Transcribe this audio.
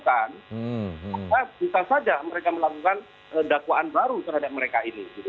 maka bisa saja mereka melakukan dakwaan baru terhadap mereka ini